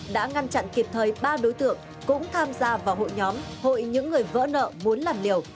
đã ngăn chặn kịp thời ba đối tượng cũng tham gia vào hội nhóm hội những người vỡ nợ muốn làm liều